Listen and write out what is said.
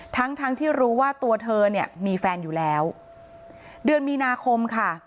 ทั้งทั้งที่รู้ว่าตัวเธอเนี่ยมีแฟนอยู่แล้วเดือนมีนาคมค่ะ